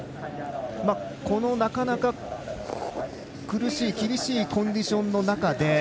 なかなか苦しい厳しいコンディションの中で。